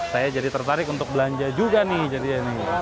saya jadi tertarik untuk belanja juga nih